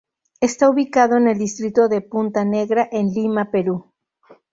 Está ubicado en el distrito de Punta Negra, en Lima, Perú.